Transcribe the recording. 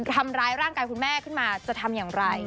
ทำร้ายร่างกายคุณแม่ขึ้นมาจะทำอย่างไร